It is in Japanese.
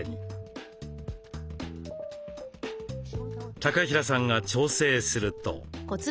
高平さんが調整すると。